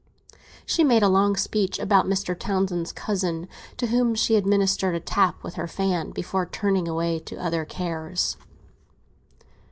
She made a long speech about Mr. Townsend's cousin, to whom she administered a tap with her fan before turning away to other cares.